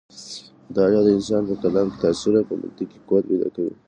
مطالعه د انسان په کلام کې تاثیر او په منطق کې قوت پیدا کوي.